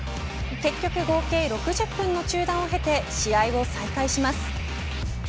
結局合計６０分の中断をへて試合を再開します。